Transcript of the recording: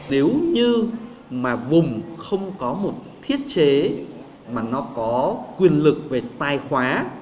nếu như mà vùng không có một thiết chế mà nó có quyền lực về tài khoá